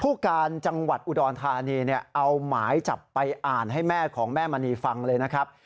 ผู้การจังหวัดอุดรธานีเอาหมายจับไปอ่านให้แม่ของแม่มณีฟังเลยนะครับ